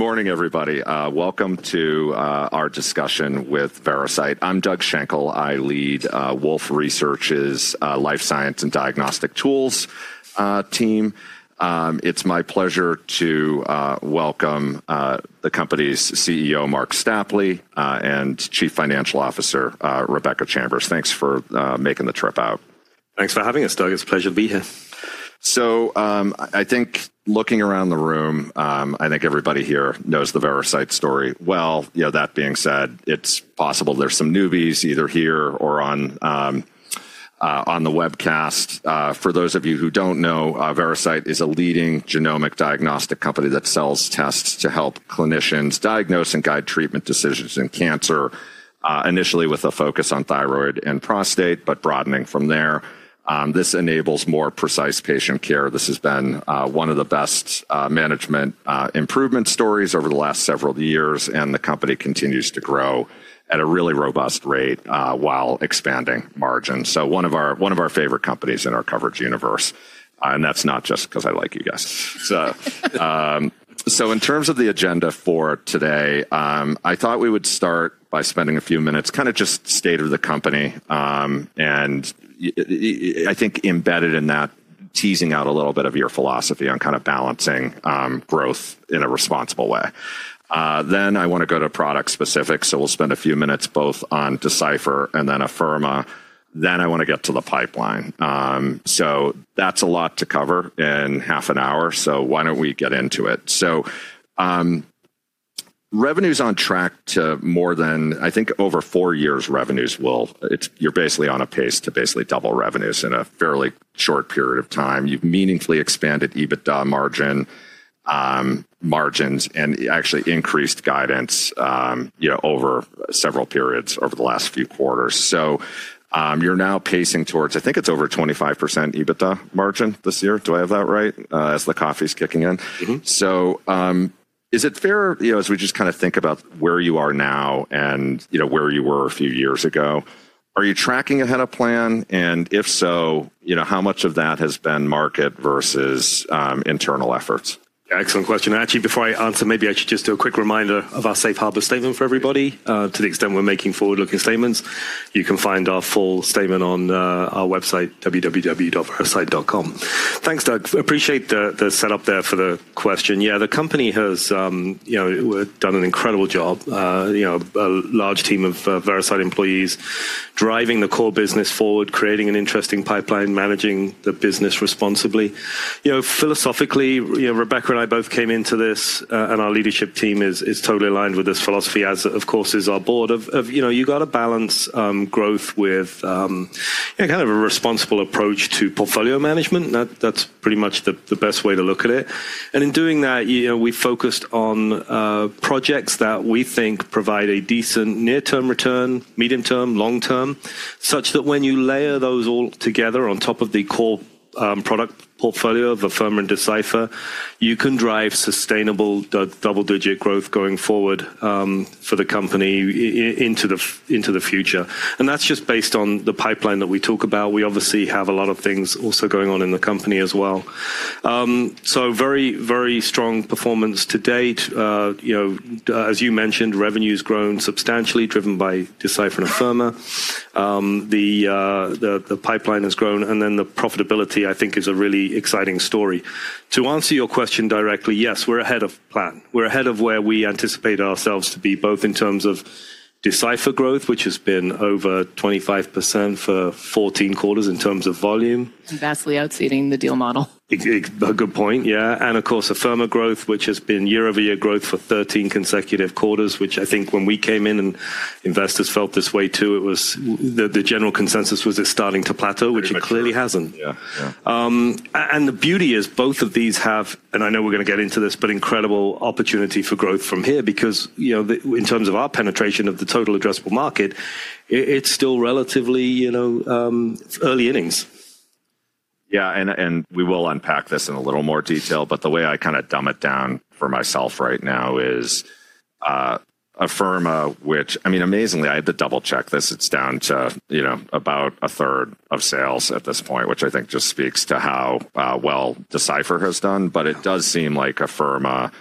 Good morning, everybody. Welcome to our discussion with Veracyte. I'm Doug Schenkel. I lead Wolf Research's Life Science and Diagnostic Tools team. It's my pleasure to welcome the company's CEO, Marc Stapley, and Chief Financial Officer, Rebecca Chambers. Thanks for making the trip out. Thanks for having us, Doug. It's a pleasure to be here. I think looking around the room, I think everybody here knows the Veracyte story well. That being said, it's possible there's some newbies either here or on the webcast. For those of you who don't know, Veracyte is a leading genomic diagnostic company that sells tests to help clinicians diagnose and guide treatment decisions in cancer, initially with a focus on thyroid and prostate, but broadening from there. This enables more precise patient care. This has been one of the best management improvement stories over the last several years, and the company continues to grow at a really robust rate while expanding margins. One of our favorite companies in our coverage universe. That's not just because I like you guys. In terms of the agenda for today, I thought we would start by spending a few minutes kind of just state of the company. I think embedded in that, teasing out a little bit of your philosophy on kind of balancing growth in a responsible way. Then I want to go to product specifics. We'll spend a few minutes both on Decipher and then Afirma. Then I want to get to the pipeline. That's a lot to cover in half an hour. Why don't we get into it? Revenues on track to more than, I think, over four years revenues will, you're basically on a pace to basically double revenues in a fairly short period of time. You've meaningfully expanded EBITDA margins and actually increased guidance over several periods over the last few quarters. You're now pacing towards, I think it's over 25% EBITDA margin this year. Do I have that right as the coffee's kicking in? Is it fair as we just kind of think about where you are now and where you were a few years ago? Are you tracking ahead of plan? If so, how much of that has been market versus internal efforts? Excellent question. Actually, before I answer, maybe I should just do a quick reminder of our Safe Harbor statement for everybody to the extent we're making forward-looking statements. You can find our full statement on our website, www.veracyte.com. Thanks, Doug. Appreciate the setup there for the question. Yeah, the company has done an incredible job. A large team of Veracyte employees driving the core business forward, creating an interesting pipeline, managing the business responsibly. Philosophically, Rebecca and I both came into this, and our leadership team is totally aligned with this philosophy, as of course is our board of, you've got to balance growth with kind of a responsible approach to portfolio management. That's pretty much the best way to look at it. In doing that, we focused on projects that we think provide a decent near-term return, medium-term, long-term, such that when you layer those all together on top of the core product portfolio of Afirma and Decipher, you can drive sustainable double-digit growth going forward for the company into the future. That is just based on the pipeline that we talk about. We obviously have a lot of things also going on in the company as well. Very, very strong performance to date. As you mentioned, revenue has grown substantially driven by Decipher and Afirma. The pipeline has grown, and then the profitability, I think, is a really exciting story. To answer your question directly, yes, we are ahead of plan. We are ahead of where we anticipate ourselves to be both in terms of Decipher growth, which has been over 25% for 14 quarters in terms of volume. Vastly outsizing the deal model. A good point, yeah. Of course, Afirma growth, which has been year-over-year growth for 13 consecutive quarters, which I think when we came in and investors felt this way too, the general consensus was it's starting to plateau, which it clearly hasn't. The beauty is both of these have, and I know we're going to get into this, but incredible opportunity for growth from here because in terms of our penetration of the total addressable market, it's still relatively early innings. Yeah, and we will unpack this in a little more detail, but the way I kind of dumb it down for myself right now is Afirma, which, I mean, amazingly, I had to double-check this. It's down to about a third of sales at this point, which I think just speaks to how well Decipher has done. It does seem like Afirma,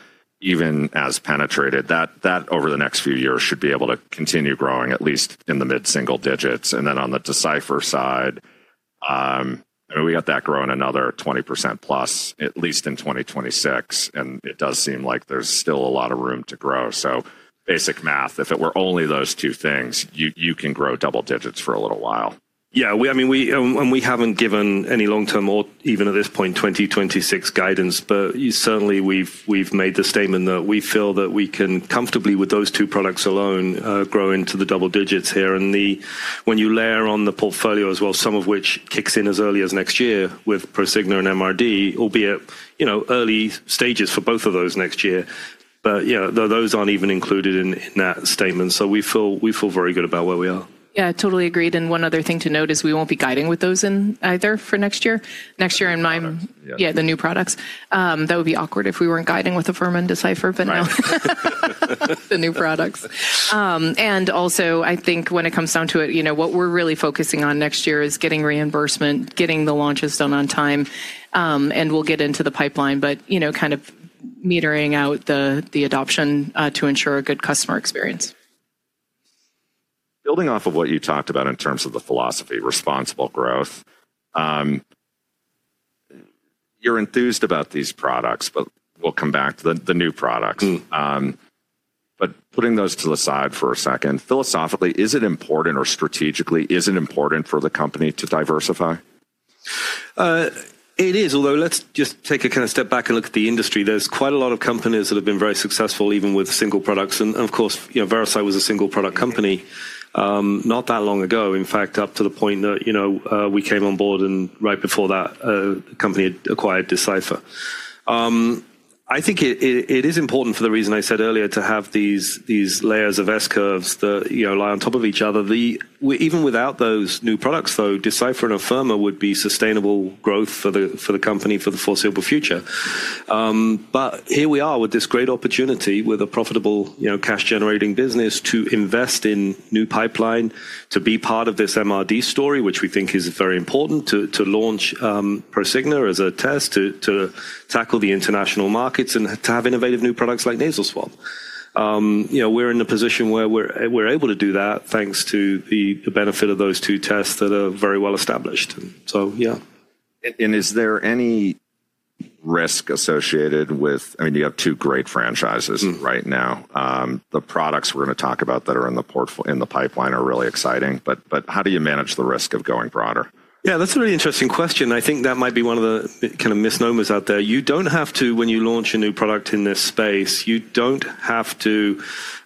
even as penetrated, that over the next few years should be able to continue growing at least in the mid-single digits. Then on the Decipher side, we got that growing another 20% plus, at least in 2026. It does seem like there's still a lot of room to grow. Basic math, if it were only those two things, you can grow double digits for a little while. Yeah, I mean, we haven't given any long-term or even at this point, 2026 guidance, but certainly we've made the statement that we feel that we can comfortably with those two products alone grow into the double digits here. When you layer on the portfolio as well, some of which kicks in as early as next year with Prosigna and MRD, albeit early stages for both of those next year. Those aren't even included in that statement. We feel very good about where we are. Yeah, totally agreed. One other thing to note is we won't be guiding with those in either for next year. Next year in mind, yeah, the new products. That would be awkward if we weren't guiding with Afirma and Decipher, but now the new products. Also, I think when it comes down to it, what we're really focusing on next year is getting reimbursement, getting the launches done on time, and we'll get into the pipeline, but kind of metering out the adoption to ensure a good customer experience. Building off of what you talked about in terms of the philosophy, responsible growth, you're enthused about these products, but we'll come back to the new products. Putting those to the side for a second, philosophically, is it important or strategically, is it important for the company to diversify? It is, although let's just take a kind of step back and look at the industry. There's quite a lot of companies that have been very successful even with single products. Of course, Veracyte was a single product company not that long ago, in fact, up to the point that we came on board and right before that, the company had acquired Decipher. I think it is important for the reason I said earlier to have these layers of S curves that lie on top of each other. Even without those new products, though, Decipher and Afirma would be sustainable growth for the company for the foreseeable future. Here we are with this great opportunity with a profitable cash-generating business to invest in new pipeline, to be part of this MRD story, which we think is very important to launch Prosigna as a test to tackle the international markets and to have innovative new products like Nasal Swab. We're in a position where we're able to do that thanks to the benefit of those two tests that are very well established. So yeah. Is there any risk associated with, I mean, you have two great franchises right now. The products we're going to talk about that are in the pipeline are really exciting. How do you manage the risk of going broader? Yeah, that's a really interesting question. I think that might be one of the kind of misnomers out there. You don't have to, when you launch a new product in this space, you don't have to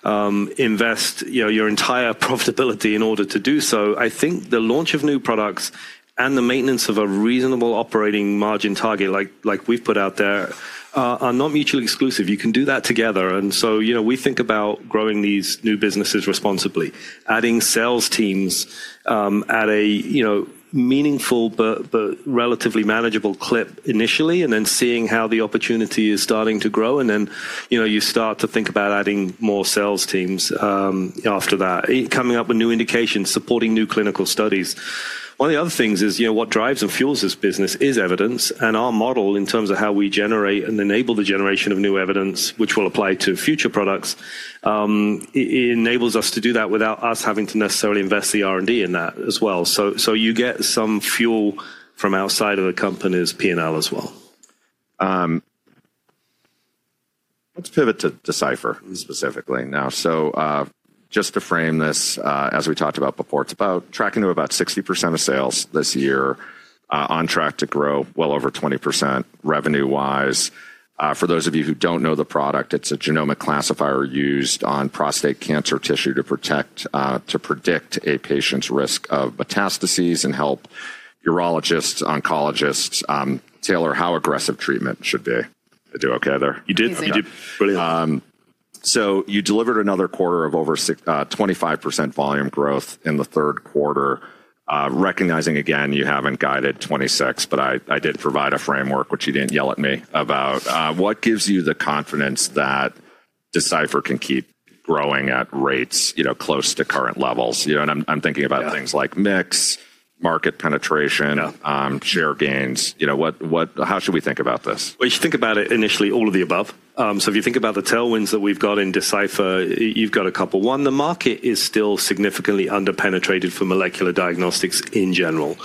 invest your entire profitability in order to do so. I think the launch of new products and the maintenance of a reasonable operating margin target like we've put out there are not mutually exclusive. You can do that together. We think about growing these new businesses responsibly, adding sales teams at a meaningful but relatively manageable clip initially, and then seeing how the opportunity is starting to grow. You start to think about adding more sales teams after that, coming up with new indications, supporting new clinical studies. One of the other things is what drives and fuels this business is evidence. Our model in terms of how we generate and enable the generation of new evidence, which will apply to future products, enables us to do that without us having to necessarily invest the R&D in that as well. You get some fuel from outside of the company's P&L as well. Let's pivot to Decipher specifically now. Just to frame this, as we talked about before, it's about tracking to about 60% of sales this year, on track to grow well over 20% revenue-wise. For those of you who don't know the product, it's a genomic classifier used on prostate cancer tissue to predict a patient's risk of metastases and help urologists, oncologists tailor how aggressive treatment should be. Did I do okay there? You did. You did brilliant. You delivered another quarter of over 25% volume growth in the third quarter, recognizing again you have not guided 2026, but I did provide a framework, which you did not yell at me about. What gives you the confidence that Decipher can keep growing at rates close to current levels? I am thinking about things like mix, market penetration, share gains. How should we think about this? You should think about it initially all of the above. If you think about the tailwinds that we've got in Decipher, you've got a couple. One, the market is still significantly underpenetrated for molecular diagnostics in general.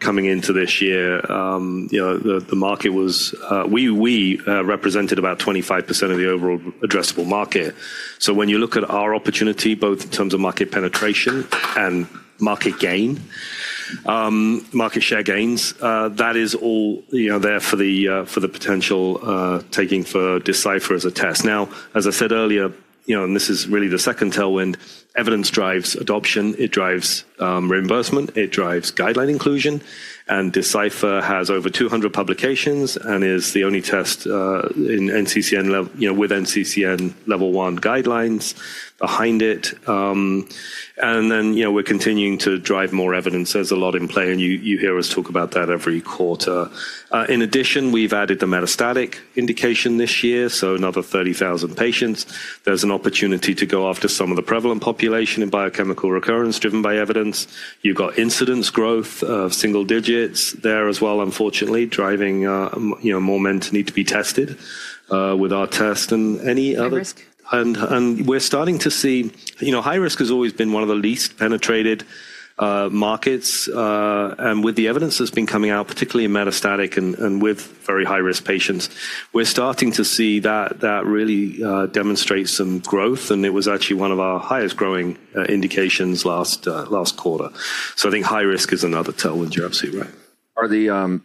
Coming into this year, the market was, we represented about 25% of the overall addressable market. When you look at our opportunity, both in terms of market penetration and market share gains, that is all there for the potential taking for Decipher as a test. As I said earlier, and this is really the second tailwind, evidence drives adoption. It drives reimbursement. It drives guideline inclusion. Decipher has over 200 publications and is the only test with NCCN level 1 guidelines behind it. We're continuing to drive more evidence. There's a lot in play, and you hear us talk about that every quarter. In addition, we've added the metastatic indication this year, so another 30,000 patients. There's an opportunity to go after some of the prevalent population in biochemical recurrence driven by evidence. You've got incidence growth of single digits there as well, unfortunately, driving more men to need to be tested with our test. Any other. High risk. We're starting to see high risk has always been one of the least penetrated markets. With the evidence that's been coming out, particularly in metastatic and with very high-risk patients, we're starting to see that really demonstrate some growth. It was actually one of our highest growing indications last quarter. I think high risk is another tailwind. You're absolutely right.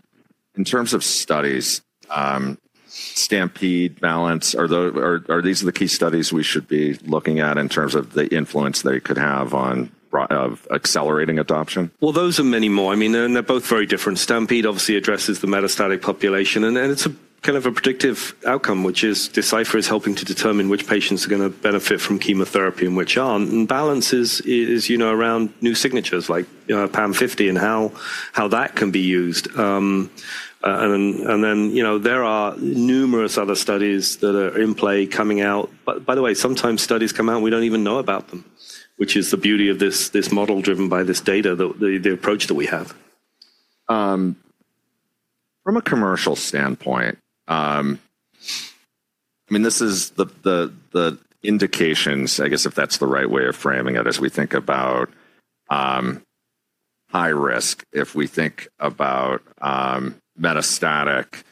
In terms of studies, STAMPEDE, BALANCE, are these the key studies we should be looking at in terms of the influence they could have on accelerating adoption? Those are many more. I mean, they're both very different. STAMPEDE obviously addresses the metastatic population. It's a kind of a predictive outcome, which is Decipher is helping to determine which patients are going to benefit from chemotherapy and which aren't. BALANCE is around new signatures like PAM50 and how that can be used. There are numerous other studies that are in play coming out. By the way, sometimes studies come out and we don't even know about them, which is the beauty of this model driven by this data, the approach that we have. From a commercial standpoint, I mean, this is the indications, I guess if that's the right way of framing it as we think about high risk, if we think about metastatic,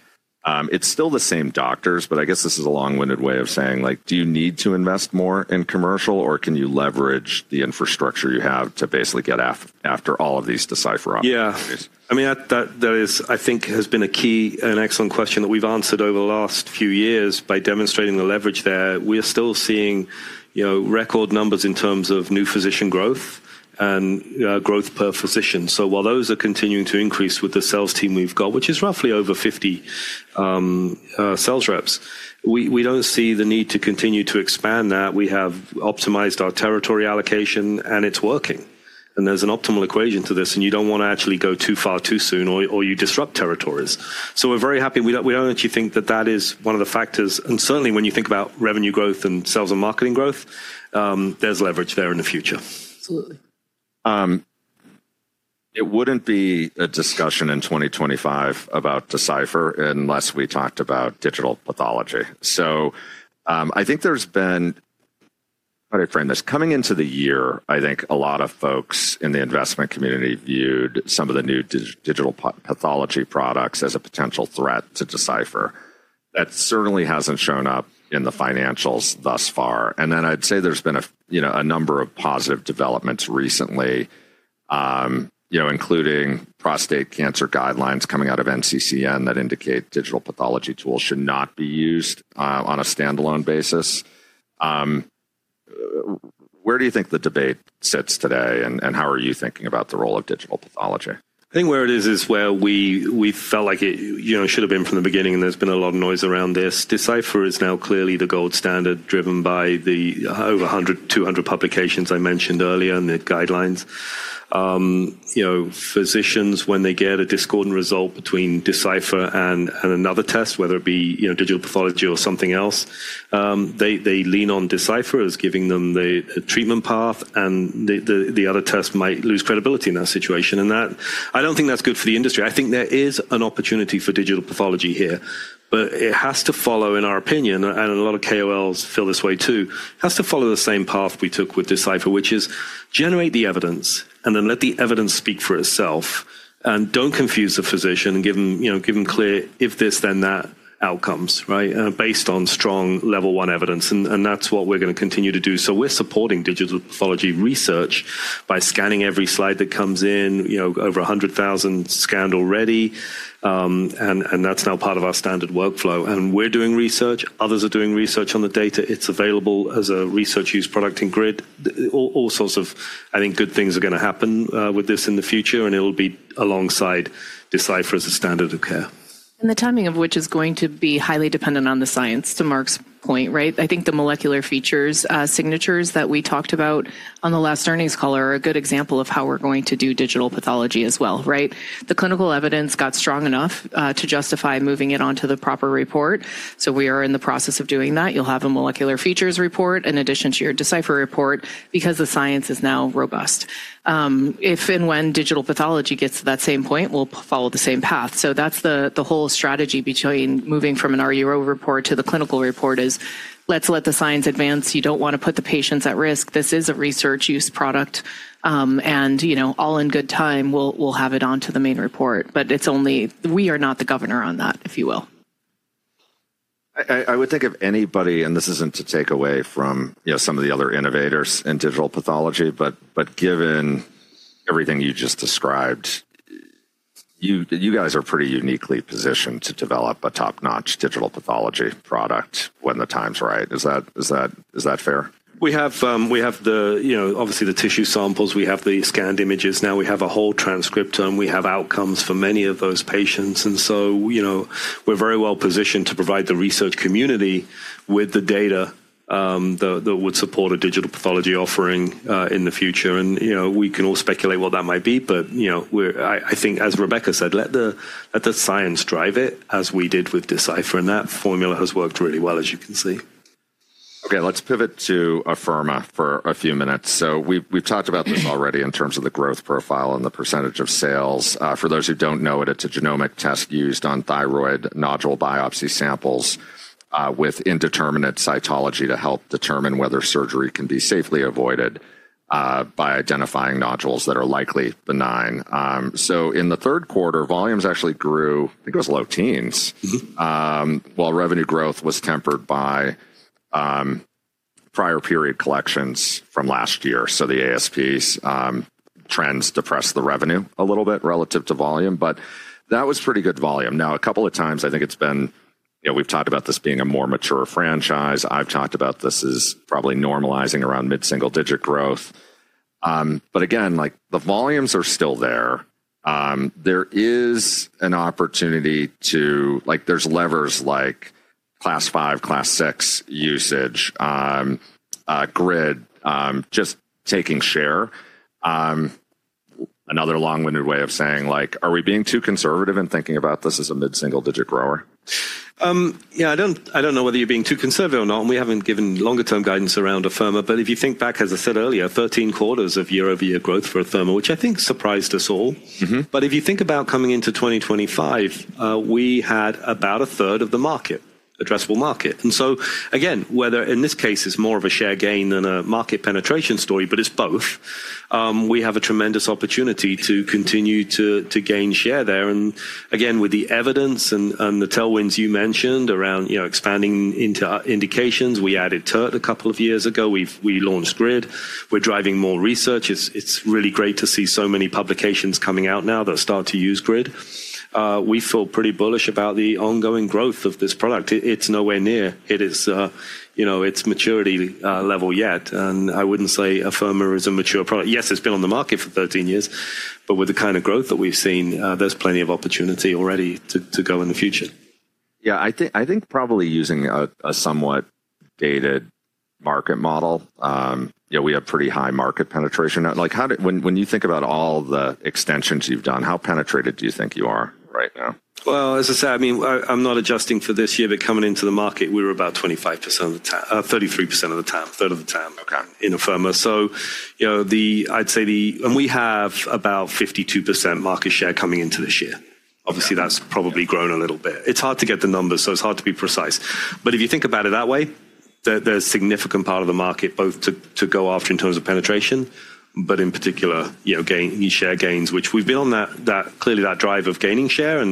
it's still the same doctors, but I guess this is a long-winded way of saying, do you need to invest more in commercial or can you leverage the infrastructure you have to basically get after all of these Decipher opportunities? Yeah. I mean, that is, I think, has been a key and excellent question that we've answered over the last few years by demonstrating the leverage there. We're still seeing record numbers in terms of new physician growth and growth per physician. While those are continuing to increase with the sales team we've got, which is roughly over 50 sales reps, we don't see the need to continue to expand that. We have optimized our territory allocation and it's working. There's an optimal equation to this. You don't want to actually go too far too soon or you disrupt territories. We're very happy. We don't actually think that that is one of the factors. Certainly when you think about revenue growth and sales and marketing growth, there's leverage there in the future. Absolutely. It would not be a discussion in 2025 about Decipher unless we talked about digital pathology. I think there has been, how do I frame this? Coming into the year, I think a lot of folks in the investment community viewed some of the new digital pathology products as a potential threat to Decipher. That certainly has not shown up in the financials thus far. I would say there have been a number of positive developments recently, including prostate cancer guidelines coming out of NCCN that indicate digital pathology tools should not be used on a standalone basis. Where do you think the debate sits today and how are you thinking about the role of digital pathology? I think where it is is where we felt like it should have been from the beginning and there's been a lot of noise around this. Decipher is now clearly the gold standard driven by the over 100, 200 publications I mentioned earlier and the guidelines. Physicians, when they get a discordant result between Decipher and another test, whether it be digital pathology or something else, they lean on Decipher as giving them the treatment path and the other test might lose credibility in that situation. I don't think that's good for the industry. I think there is an opportunity for digital pathology here, but it has to follow, in our opinion, and a lot of KOLs feel this way too, has to follow the same path we took with Decipher, which is generate the evidence and then let the evidence speak for itself. Do not confuse the physician and give him clear if this, then that outcomes based on strong level 1 evidence. That is what we are going to continue to do so. We are supporting digital pathology research by scanning every slide that comes in, over 100,000 scanned already. That is now part of our standard workflow. We are doing research. Others are doing research on the data. It is available as a research-use product in GRID. All sorts of, I think, good things are going to happen with this in the future. It will be alongside Decipher as a standard of care. The timing of which is going to be highly dependent on the science, to Marc's point, right? I think the molecular features, signatures that we talked about on the last earnings call are a good example of how we're going to do digital pathology as well, right? The clinical evidence got strong enough to justify moving it on to the proper report. We are in the process of doing that. You'll have a molecular features report in addition to your Decipher report because the science is now robust. If and when digital pathology gets to that same point, we'll follow the same path. That is the whole strategy between moving from an RUO report to the clinical report is, let's let the science advance. You do not want to put the patients at risk. This is a research-use product. All in good time, we'll have it on to the main report. We are not the governor on that, if you will. I would think of anybody, and this isn't to take away from some of the other innovators in digital pathology, but given everything you just described, you guys are pretty uniquely positioned to develop a top-notch digital pathology product when the time's right. Is that fair? We have obviously the tissue samples. We have the scanned images. Now we have a whole transcript and we have outcomes for many of those patients. We are very well positioned to provide the research community with the data that would support a digital pathology offering in the future. We can all speculate what that might be. I think, as Rebecca said, let the science drive it as we did with Decipher. That formula has worked really well, as you can see. Okay, let's pivot to Afirma for a few minutes. We've talked about this already in terms of the growth profile and the percentage of sales. For those who don't know it, it's a genomic test used on thyroid nodule biopsy samples with indeterminate cytology to help determine whether surgery can be safely avoided by identifying nodules that are likely benign. In the third quarter, volumes actually grew, I think it was low teens, while revenue growth was tempered by prior period collections from last year. The ASP trends depressed the revenue a little bit relative to volume, but that was pretty good volume. Now, a couple of times, I think it's been, we've talked about this being a more mature franchise. I've talked about this as probably normalizing around mid-single digit growth. Again, the volumes are still there. There is an opportunity to, there's levers like class five, class six usage, GRID, just taking share. Another long-winded way of saying, are we being too conservative in thinking about this as a mid-single digit grower? Yeah, I don't know whether you're being too conservative or not. We haven't given longer-term guidance around Afirma. If you think back, as I said earlier, 13 quarters of year-over-year growth for Afirma, which I think surprised us all. If you think about coming into 2025, we had about a third of the market, addressable market. Whether in this case it is more of a share gain than a market penetration story, but it's both. We have a tremendous opportunity to continue to gain share there. With the evidence and the tailwinds you mentioned around expanding into indications, we added TERT a couple of years ago. We launched GRID. We're driving more research. It's really great to see so many publications coming out now that start to use GRID. We feel pretty bullish about the ongoing growth of this product. It's nowhere near its maturity level yet. I wouldn't say Afirma is a mature product. Yes, it's been on the market for 13 years. With the kind of growth that we've seen, there's plenty of opportunity already to go in the future. Yeah, I think probably using a somewhat dated market model, we have pretty high market penetration. When you think about all the extensions you've done, how penetrated do you think you are right now? As I said, I mean, I'm not adjusting for this year, but coming into the market, we were about 25% of the time, 33% of the time, third of the time in Afirma. I'd say the, and we have about 52% market share coming into this year. Obviously, that's probably grown a little bit. It's hard to get the numbers, so it's hard to be precise. If you think about it that way, there's a significant part of the market both to go after in terms of penetration, but in particular, share gains, which we've been on that, clearly that drive of gaining share.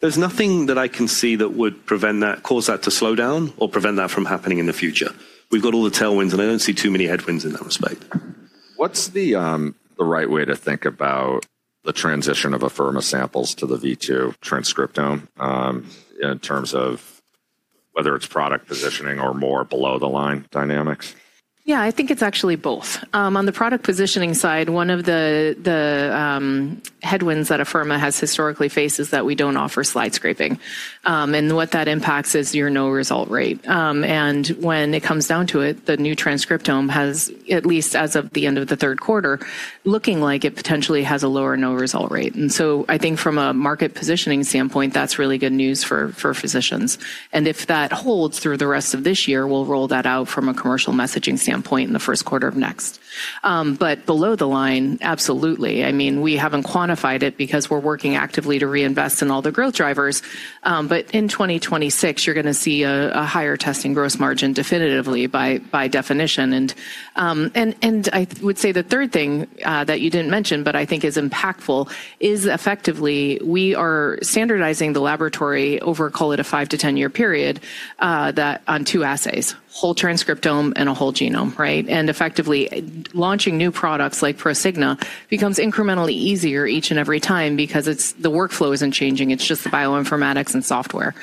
There's nothing that I can see that would prevent that, cause that to slow down or prevent that from happening in the future. We've got all the tailwinds, and I don't see too many headwinds in that respect. What's the right way to think about the transition of Afirma samples to the V2 transcriptome in terms of whether it's product positioning or more below the line dynamics? Yeah, I think it's actually both. On the product positioning side, one of the headwinds that Afirma has historically faced is that we don't offer slide scraping. And what that impacts is your no-result rate. When it comes down to it, the new transcriptome has, at least as of the end of the third quarter, looking like it potentially has a lower no-result rate. I think from a market positioning standpoint, that's really good news for physicians. If that holds through the rest of this year, we'll roll that out from a commercial messaging standpoint in the first quarter of next. Below the line, absolutely. I mean, we haven't quantified it because we're working actively to reinvest in all the growth drivers. In 2026, you're going to see a higher testing gross margin definitively by definition. I would say the third thing that you didn't mention, but I think is impactful, is effectively we are standardizing the laboratory over, call it a five- to ten-year period on two assays, whole transcriptome and a whole genome, right? Effectively launching new products like Prosigna becomes incrementally easier each and every time because the workflow isn't changing. It's just the bioinformatics and software.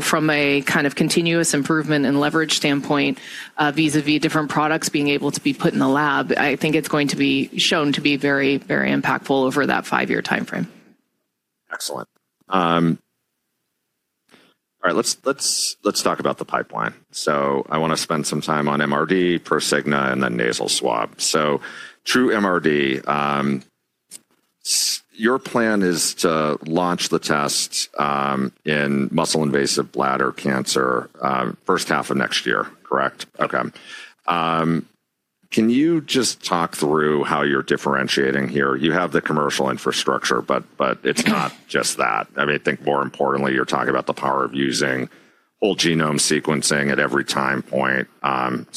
From a kind of continuous improvement and leverage standpoint vis-à-vis different products being able to be put in the lab, I think it's going to be shown to be very, very impactful over that five-year timeframe. Excellent. All right, let's talk about the pipeline. I want to spend some time on MRD, Prosigna, and then Nasal Swab. True MRD, your plan is to launch the test in muscle-invasive bladder cancer first half of next year, correct? Okay. Can you just talk through how you're differentiating here? You have the commercial infrastructure, but it's not just that. I mean, I think more importantly, you're talking about the power of using whole genome sequencing at every time point.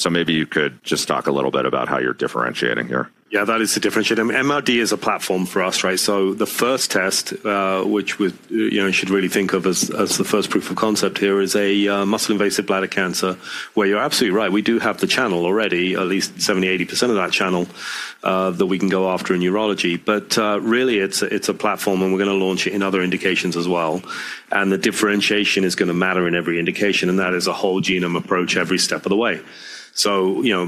Maybe you could just talk a little bit about how you're differentiating here. Yeah, that is the differentiator. MRD is a platform for us, right? The first test, which we should really think of as the first proof of concept here, is muscle-invasive bladder cancer, where you're absolutely right. We do have the channel already, at least 70%-80% of that channel that we can go after in urology. Really, it's a platform, and we're going to launch it in other indications as well. The differentiation is going to matter in every indication. That is a whole genome approach every step of the way.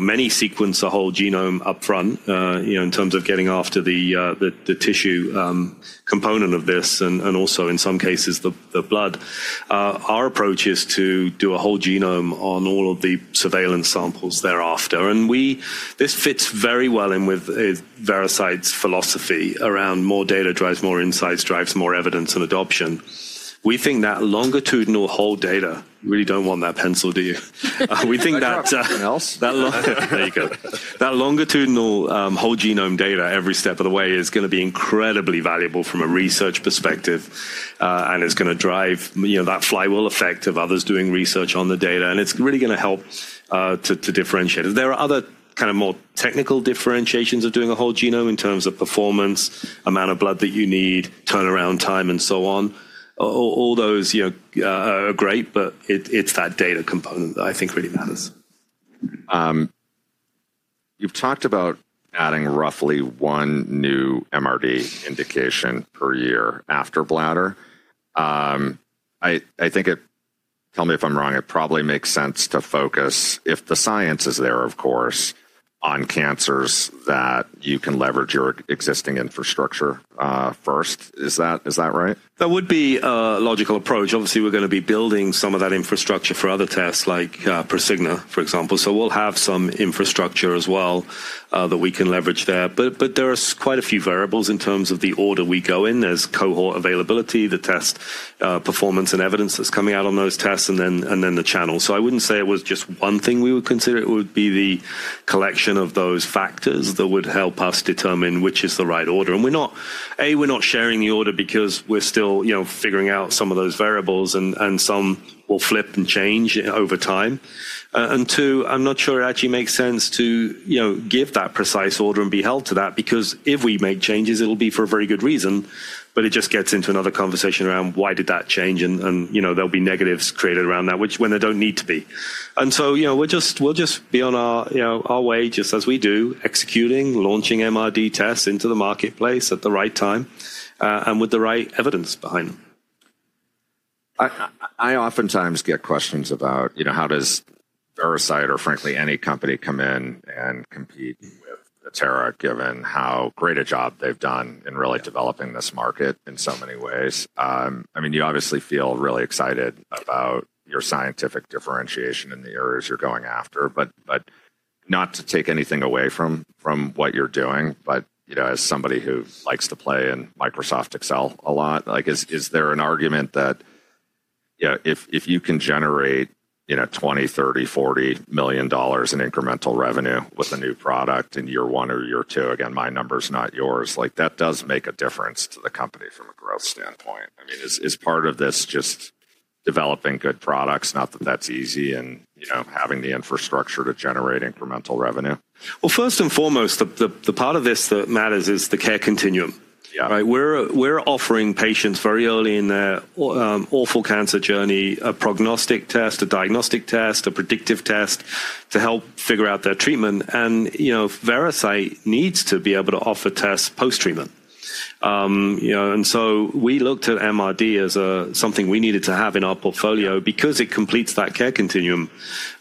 Many sequence a whole genome upfront in terms of getting after the tissue component of this and also, in some cases, the blood. Our approach is to do a whole genome on all of the surveillance samples thereafter. This fits very well in with Veracyte's philosophy around more data drives more insights, drives more evidence and adoption. We think that longitudinal whole data, you really do not want that pencil, do you? We think that. That's something else. There you go. That longitudinal whole genome data every step of the way is going to be incredibly valuable from a research perspective. It is going to drive that flywheel effect of others doing research on the data. It is really going to help to differentiate. There are other kind of more technical differentiations of doing a whole genome in terms of performance, amount of blood that you need, turnaround time, and so on. All those are great, but it is that data component that I think really matters. You've talked about adding roughly one new MRD indication per year after Bladder. I think it, tell me if I'm wrong, it probably makes sense to focus, if the science is there, of course, on cancers that you can leverage your existing infrastructure first. Is that right? That would be a logical approach. Obviously, we're going to be building some of that infrastructure for other tests like Prosigna, for example. We will have some infrastructure as well that we can leverage there. There are quite a few variables in terms of the order we go in. There is cohort availability, the test performance and evidence that is coming out on those tests, and then the channel. I would not say it was just one thing we would consider. It would be the collection of those factors that would help us determine which is the right order. We are not sharing the order because we are still figuring out some of those variables. Some will flip and change over time. Two, I'm not sure it actually makes sense to give that precise order and be held to that because if we make changes, it'll be for a very good reason. It just gets into another conversation around why did that change. There'll be negatives created around that, which when they don't need to be. We'll just be on our way just as we do, executing, launching MRD tests into the marketplace at the right time and with the right evidence behind them. I oftentimes get questions about how does Veracyte or, frankly, any company come in and compete with Natera, given how great a job they've done in really developing this market in so many ways. I mean, you obviously feel really excited about your scientific differentiation in the areas you're going after, but not to take anything away from what you're doing. As somebody who likes to play in Microsoft Excel a lot, is there an argument that if you can generate $20 million, $30 million, $40 million in incremental revenue with a new product in year one or year two, again, my number's not yours, that does make a difference to the company from a growth standpoint. I mean, is part of this just developing good products, not that that's easy, and having the infrastructure to generate incremental revenue? First and foremost, the part of this that matters is the care continuum. We're offering patients very early in their awful cancer journey a prognostic test, a diagnostic test, a predictive test to help figure out their treatment. Veracyte needs to be able to offer tests post-treatment. We looked at MRD as something we needed to have in our portfolio because it completes that care continuum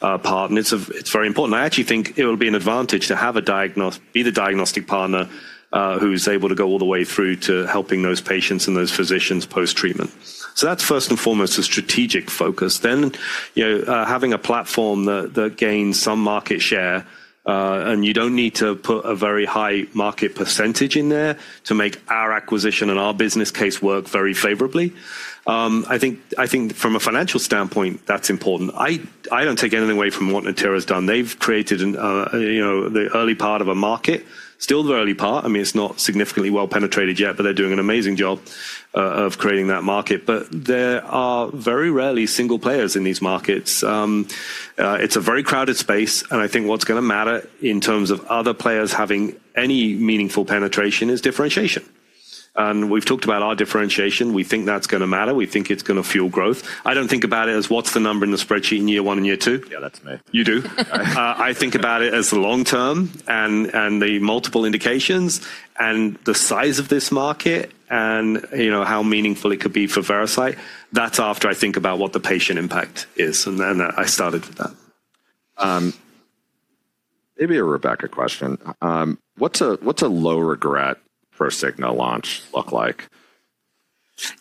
part. It is very important. I actually think it will be an advantage to have a diagnostic, be the diagnostic partner who's able to go all the way through to helping those patients and those physicians post-treatment. That is first and foremost a strategic focus. Having a platform that gains some market share, and you don't need to put a very high market percentage in there to make our acquisition and our business case work very favorably. I think from a financial standpoint, that's important. I don't take anything away from what Natera has done. They've created the early part of a market, still the early part. I mean, it's not significantly well penetrated yet, but they're doing an amazing job of creating that market. There are very rarely single players in these markets. It's a very crowded space. I think what's going to matter in terms of other players having any meaningful penetration is differentiation. We've talked about our differentiation. We think that's going to matter. We think it's going to fuel growth. I don't think about it as what's the number in the spreadsheet in year one and year two. Yeah, that's me. You do. I think about it as the long term and the multiple indications and the size of this market and how meaningful it could be for Veracyte. That is after I think about what the patient impact is. I started with that. Maybe, Rebecca a question. What's a low regret Prosigna launch look like?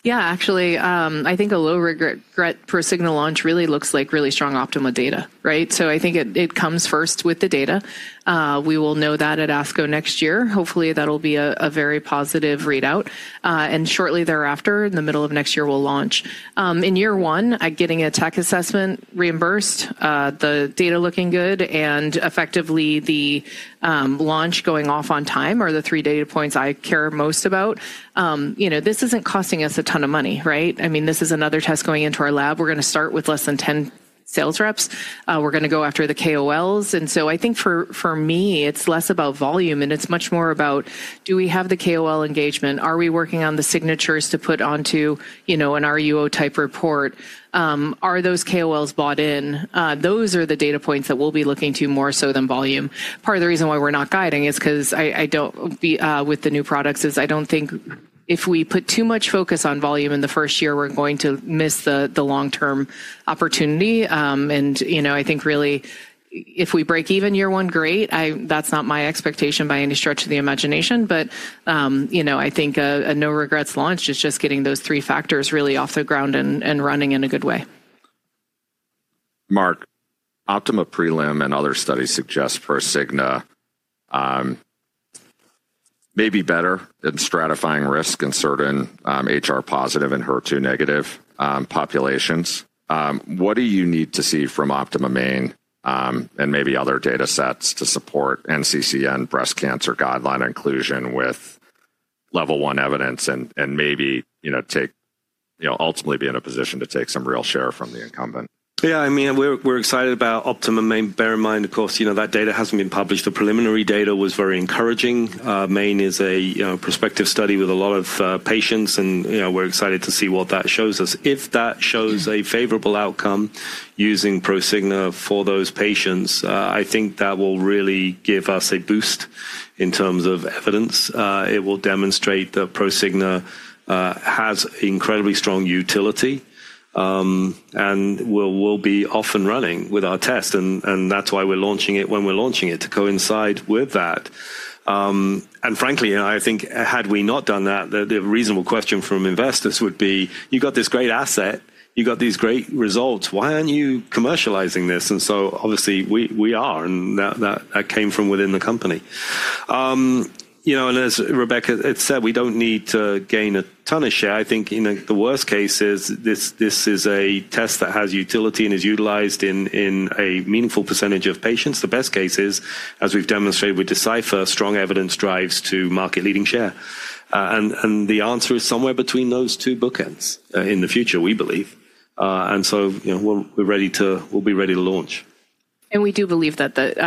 Yeah, actually, I think a low regret Prosigna launch really looks like really strong optimal data, right? I think it comes first with the data. We will know that at ASCO next year. Hopefully, that'll be a very positive readout. Shortly thereafter, in the middle of next year, we'll launch. In year one, getting a tech assessment reimbursed, the data looking good, and effectively the launch going off on time are the three data points I care most about. This isn't costing us a ton of money, right? I mean, this is another test going into our lab. We're going to start with fewer than 10 sales reps. We're going to go after the KOLs. I think for me, it's less about volume, and it's much more about do we have the KOL engagement? Are we working on the signatures to put onto an RUO type report? Are those KOLs bought in? Those are the data points that we'll be looking to more so than volume. Part of the reason why we're not guiding is because with the new products is I don't think if we put too much focus on volume in the first year, we're going to miss the long-term opportunity. I think really, if we break even year one, great. That's not my expectation by any stretch of the imagination. I think a no regrets launch is just getting those three factors really off the ground and running in a good way. Marc, OPTIMA prelim and other studies suggest Prosigna may be better at stratifying risk in certain HR-positive and HER2 negative populations. What do you need to see from OPTIMA-Main and maybe other data sets to support NCCN breast cancer guideline inclusion with level 1 evidence and maybe ultimately be in a position to take some real share from the incumbent? Yeah, I mean, we're excited about OPTIMA-Main. Bear in mind, of course, that data hasn't been published. The preliminary data was very encouraging. Main is a prospective study with a lot of patients. We're excited to see what that shows us. If that shows a favorable outcome using Prosigna for those patients, I think that will really give us a boost in terms of evidence. It will demonstrate that Prosigna has incredibly strong utility and we'll be off and running with our test. That's why we're launching it when we're launching it to coincide with that. Frankly, I think had we not done that, the reasonable question from investors would be, you've got this great asset. You've got these great results. Why aren't you commercializing this? Obviously, we are. That came from within the company. As Rebecca said, we do not need to gain a ton of share. I think in the worst cases, this is a test that has utility and is utilized in a meaningful percentage of patients. The best case is, as we have demonstrated with Decipher, strong evidence drives to market leading share. The answer is somewhere between those two bookends in the future, we believe. We will be ready to launch. We do believe that the.